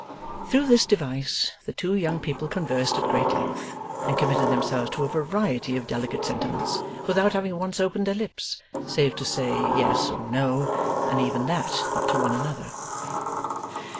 Through this device the two young people conversed at great length and committed themselves to a variety of delicate sentiments, without having once opened their lips, save to say yes or no, and even that not to one another.